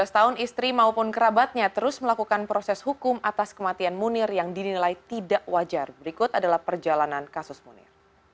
tujuh belas tahun istri maupun kerabatnya terus melakukan proses hukum atas kematian munir yang dinilai tidak wajar berikut adalah perjalanan kasus munir